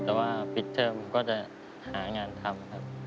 แต่ว่าปิดเทิมก็จะหางานทำครับ